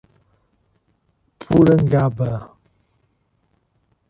Porangaba